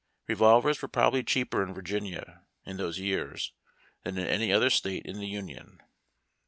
Revolvers were probably cheaper in Virginia, in those years, than in any other state in the Union.